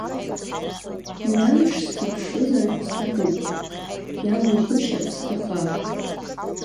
Мҩамш сзыԥшызар сҭахуп, иамугәышьар, сҭахап.